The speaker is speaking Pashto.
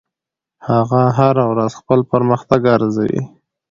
هغه هره ورځ خپل پرمختګ ارزوي.